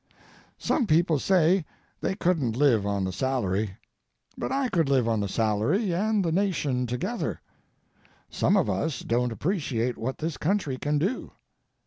Some people say they couldn't live on the salary, but I could live on the salary and the nation together. Some of us don't appreciate what this country can do.